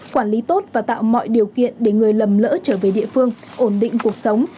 quản lý tốt và tạo mọi điều kiện để người lầm lỡ trở về địa phương ổn định cuộc sống